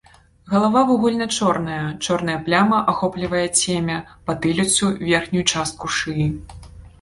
Галава вугальна-чорная, чорная пляма ахоплівае цемя, патыліцу, верхнюю частку шыі.